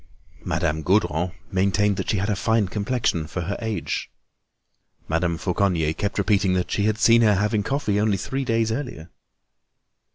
Madame Gaudron maintained that she had a fine complexion for her age. Madame Fauconnier kept repeating that she had seen her having coffee only three days earlier.